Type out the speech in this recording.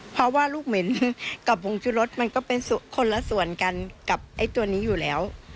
เพราะว่าลูกเหม็นกับผงจุรสมันก็เป็นคนละส่วนกันกับไอ้ตัวนี้อยู่แล้ว